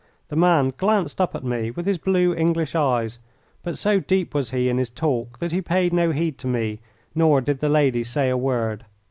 The man glanced up at me with his blue English eyes, but so deep was he in his talk that he paid no heed to me, nor did the lady say a word.